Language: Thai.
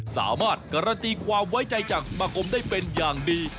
สามารถการันตีความไว้ใจจากสมาคมได้เป็นอย่างดี